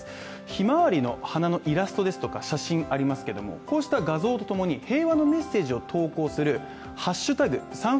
ひまわりの花のイラストですとか写真ありますけれどもこうした画像とともに平和のメッセージを投稿する＃